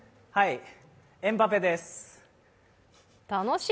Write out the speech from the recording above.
エムバペです。